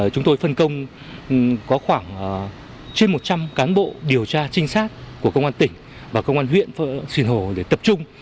chúng tôi phân công có khoảng trên một trăm linh cán bộ điều tra trinh sát của công an tỉnh và công an huyện sinh hồ để tập trung